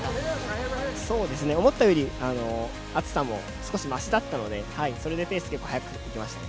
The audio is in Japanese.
思ったより暑さも少しましだったので、それでペースも速くできました。